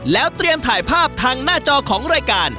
แล้วเตรียมถ่ายภาพทางหน้าจอของรายการ